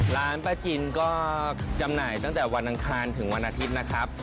ร้านป้าจินก็จำหน่ายตั้งแต่วันอังคารถึงวันอาทิตย์นะครับ